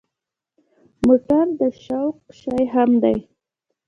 موټر د شوق شی هم دی.